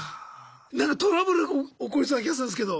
なんかトラブルが起こりそうな気がするんですけど。